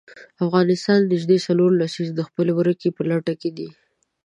افغانستان نژدې څلور لسیزې د خپلې ورکې په لټه کې دی.